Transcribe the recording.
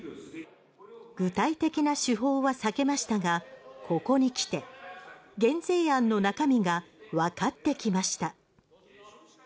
具体的な手法は避けましたがここに来て、減税案の中身がわかってきました。